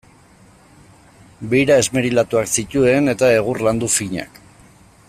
Beira esmerilatuak zituen, eta egur landu finak.